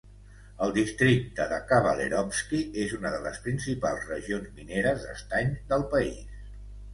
El districte de Kavalerovsky és una de les principals regions mineres d'estany del país.